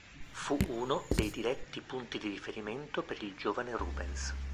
Fu uno dei diretti punti di riferimento per il giovane Rubens.